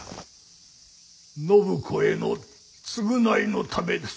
展子への償いのためです。